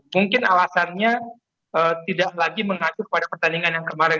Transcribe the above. mungkin alasannya tidak lagi mengacu pada pertandingan yang kemarin